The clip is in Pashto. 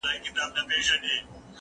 زه اوس ځواب ليکم!!